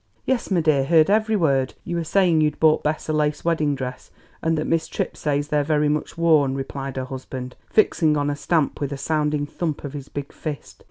"Yes, m' dear; heard every word; you were saying you'd bought Bess a lace wedding dress, and that Miss Tripp says they're very much worn," replied her husband, fixing on a stamp with a sounding thump of his big fist.